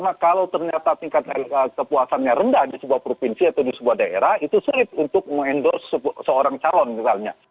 jadi kalau kita mencari kepuasan yang rendah di sebuah provinsi atau di sebuah daerah itu sulit untuk mengendorse seorang calon misalnya